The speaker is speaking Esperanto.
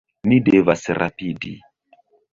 Ni devas rapidi!